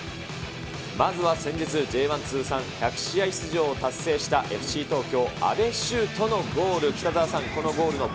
まずは先日、Ｊ１通算１００試合出場を達成したＦＣ東京、安部しゅうとのゴール。